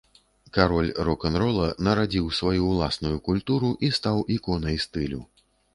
Кароль рок-н-рола нарадзіў сваю ўласную культуру і стаў іконай стылю.